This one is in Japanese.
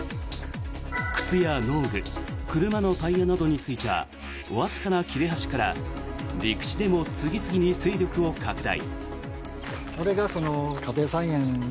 靴や農具車のタイヤなどについたわずかな切れ端から陸地でも次々に勢力を拡大。